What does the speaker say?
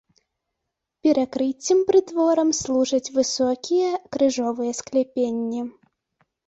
Перакрыццем прытворам служаць высокія крыжовыя скляпенні.